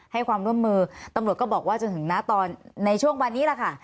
ให้ความร่วมมือตำรวจก็บอกว่าจนถึงนะตอนในช่วงวันนี้แหละค่ะ